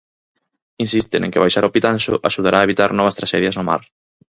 Insisten en que baixar ao Pitanxo axudará a evitar novas traxedias no mar.